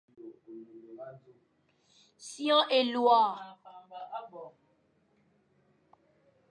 Sioñ élôa,